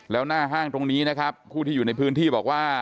แล้วหน้าห้างตรงนี้นะครับผู้ที่อยู่ในพื้นที่บอกว่า